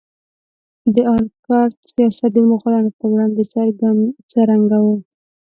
د آل کرت سیاست د مغولانو په وړاندې څرنګه و؟